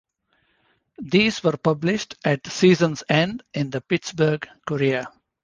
These were published at season's end in the "Pittsburgh Courier".